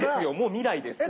未来ですよ。